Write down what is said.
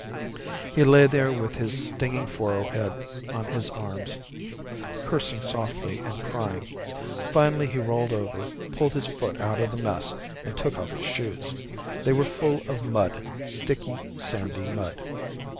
He lay there with his stinging forehead on his arms, cursing softly and crying. Finally he rolled over, pulled his foot out of the mess, and took off his shoes. They were full of mud sticky sandy mud.